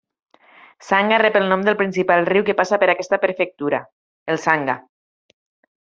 Sangha rep el nom del principal riu que passa per aquesta prefectura: el Sangha.